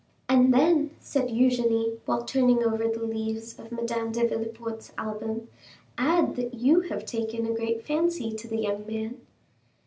"And then," said Eugénie, while turning over the leaves of Madame de Villefort's album, "add that you have taken a great fancy to the young man."